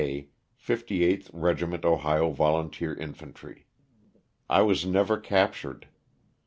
K, 58th Regiment Ohio Volunteer Infantry. I was never captured.